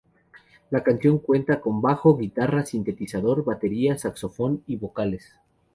La canción cuenta con bajo, guitarra, sintetizador, batería, saxofón, y vocales.